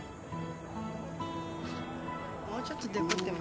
もうちょっとデコっても。